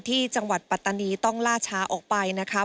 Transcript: ที่จังหวัดปัตตานีต้องล่าช้าออกไปนะครับ